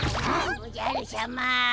おじゃるしゃま。